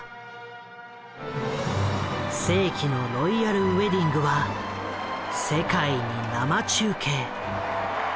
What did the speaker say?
世紀のロイヤルウエディングは世界に生中継。